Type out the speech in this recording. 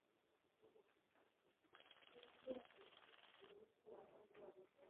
na kuzuia manyanyaso dhidi ya raia kwa msingi wa taarifa za kuaminika